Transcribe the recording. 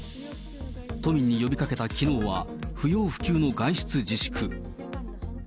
都民に呼びかけたきのうは、不要不急の外出自粛。